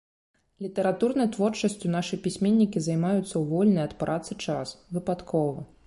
Літаратурнай творчасцю нашы пісьменнікі займаюцца ў вольны ад працы час, выпадкова.